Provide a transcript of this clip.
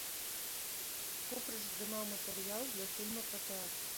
Купрыч здымаў матэрыял для фільма пра тэатр.